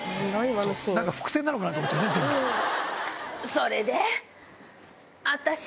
それで？